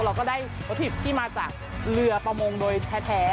เราก็ได้วัตถุดิบที่มาจากเรือประมงโดยแท้